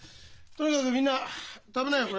とにかくみんな食べなよ